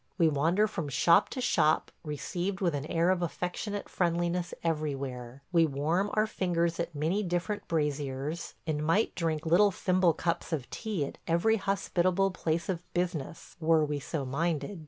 We wander from shop to shop, received with an air of affectionate friendliness everywhere; we warm our fingers at many different braziers, and might drink little thimble cups of tea at every hospitable place of business were we so minded.